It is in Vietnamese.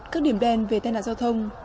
các điểm đen về tai nạn giao thông